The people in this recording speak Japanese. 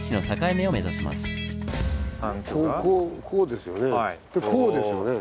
でこうですよね。